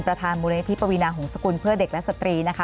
ประธานมูลยธีปวินาหงษ์ศักรุ่นเพื่อเด็กและสตรีนะคะ